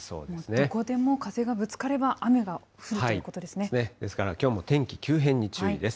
どこでも風がぶつかれば、雨ですからきょうも天気急変に注意です。